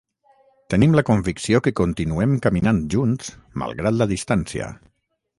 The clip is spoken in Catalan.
Tenim la convicció que continuem caminant junts, malgrat la distància.